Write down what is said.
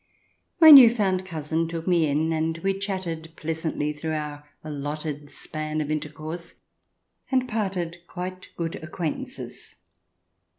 My new found cousin took me in, and we chatted pleasantly through our allotted span of intercourse, and parted quite good acquaintances.